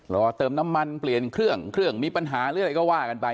รอเติมน้ำมันเปลี่ยนเครื่องเครื่องมีปัญหาหรืออะไรก็ว่ากันไป